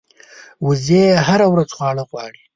وزې هره ورځ خواړه غواړي